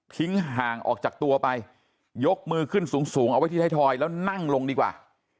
ห่างออกจากตัวไปยกมือขึ้นสูงสูงเอาไว้ที่ไทยทอยแล้วนั่งลงดีกว่า